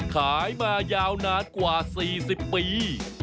ขายมายาวนานกว่า๔๐ปี